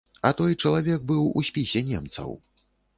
А той чалавек быў у спісе немцаў.